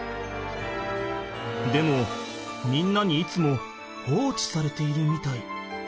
でもみんなにいつも放置されているみたい。